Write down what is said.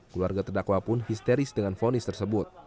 keluarga terdakwa pun histeris dengan fonis tersebut